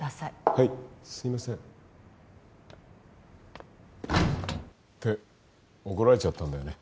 はいすいませんって怒られちゃったんだよね